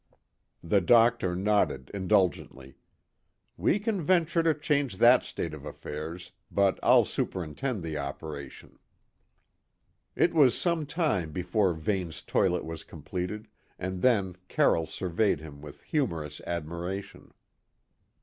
The doctor nodded indulgently. "We can venture to change that state of affairs, but I'll superintend the operation." It was some time before Vane's toilet was completed, and then Carroll surveyed him with humorous admiration.